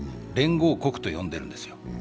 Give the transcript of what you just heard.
連合国と呼んでるんですよ。